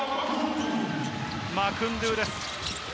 マクンドゥです。